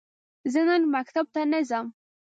زه نن مکتب ته نه ځم.